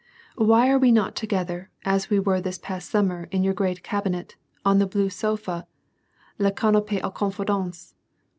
Why are we not together as. we were this past summer in your great cabinet, on the blue sofa, — le canape a confidences?